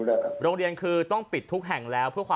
ลูกโรงเรียนต้องปิดทุกแห่งแล้ว